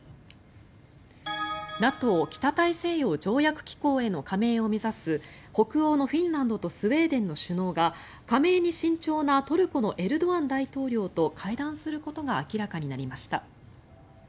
ＮＡＴＯ・北大西洋条約機構への加盟を目指す北欧のフィンランドとスウェーデンの首脳が加盟に慎重なトルコのエルドアン大統領と会談することが明らかになりました。